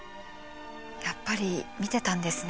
やっぱり見てたんですね。